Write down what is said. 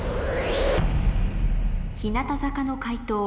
日向坂の解答